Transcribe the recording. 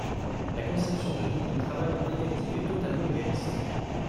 La conception de Nick du travail d'un détective est totalement idéaliste.